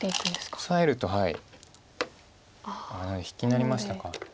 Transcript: なので引きになりましたか。